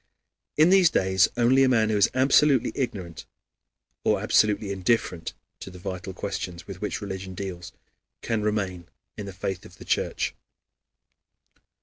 In these days only a man who is absolutely ignorant or absolutely indifferent to the vital questions with which religion deals, can remain in the faith of the Church.